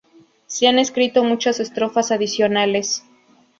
Se han escrito muchas estrofas adicionales.